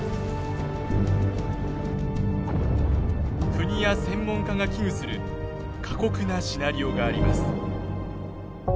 国や専門家が危惧する過酷なシナリオがあります。